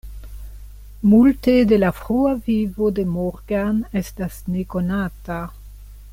Multe de la frua vivo de Morgan estas nekonata.